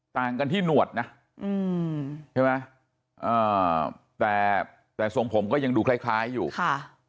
ต่างกันที่หนวดนะอืมใช่ไหมอ่าแต่แต่ทรงผมก็ยังดูคล้ายคล้ายอยู่ค่ะ